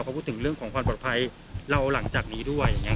เพราะเอาถึงที่เรื่องของความปลอดภัยเราหลังจากนี้ด้วย